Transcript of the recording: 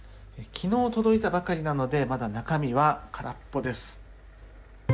昨日、届いたばかりなのでまだ中身は空っぽです。